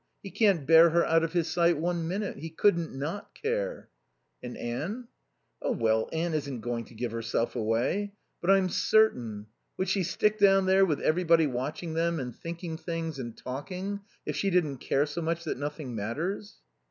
He can't bear her out of his sight one minute. He couldn't not care." "And Anne?" "Oh, well, Anne isn't going to give herself away. But I'm certain... Would she stick down there, with everybody watching them and thinking things and talking, if she didn't care so much that nothing matters?"